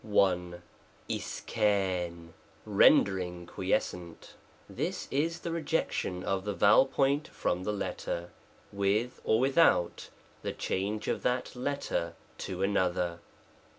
I. W \X* \ Tendering quiescent This is the rejection * of the vowel point from the letter, with or without ihe change of that letter to another.